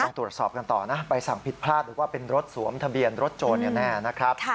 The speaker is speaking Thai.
ตรวจสอบกันต่อนะใบสั่งผิดพลาดหรือว่าเป็นรถสวมทะเบียนรถโจรกันแน่นะครับ